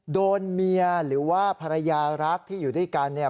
โดนเมียหรือว่าภรรยารักที่อยู่ด้วยกันเนี่ย